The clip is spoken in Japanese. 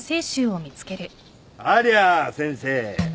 ありゃあ先生。